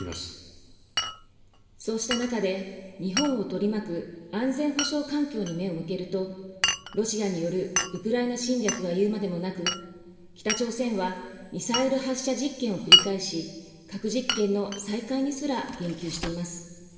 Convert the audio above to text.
そうした中で、日本を取り巻く安全保障環境に目を向けると、ロシアによるウクライナ侵略は言うまでもなく、北朝鮮はミサイル発射実験を繰り返し、核実験の再開にすら言及しています。